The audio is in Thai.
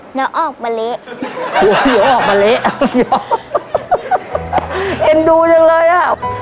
หนูออกมาเละหนูออกมาเละเห็นดูจังเลยอ่ะ